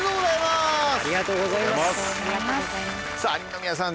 ありがとうございます。